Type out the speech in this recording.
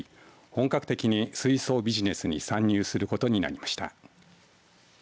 本格的に水素ビジネスに参入することになりました。